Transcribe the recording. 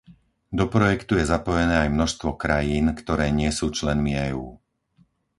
Do projektu je zapojené aj množstvo krajín, ktoré nie sú členmi EÚ.